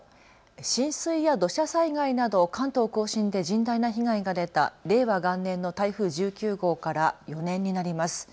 浸水や土砂災害など関東甲信で甚大な被害が出た令和元年の台風１９号から４年になります。